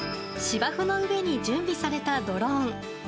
芝生の上に準備されたドローン。